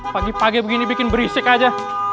pagi pagi begini bikin berisik aja